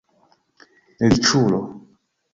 riĉulo